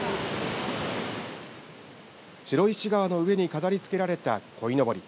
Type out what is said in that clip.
白石川の上に飾りつけられたこいのぼり